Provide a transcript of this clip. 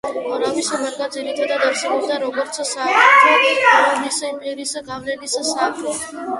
მორავიის მარკა ძირითადად არსებობდა, როგორც საღვთო რომის იმპერიის გავლენის სფერო.